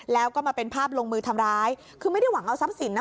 แล้วก็มาเป็นภาพลงมือทำร้ายคือไม่ได้หวังเอาทรัพย์สินนะ